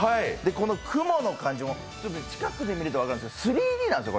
この雲の感じも、近くで見ると分かるんですが３Ｄなんです。